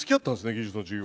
技術の授業。